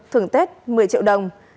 thưởng tết một mươi triệu đồng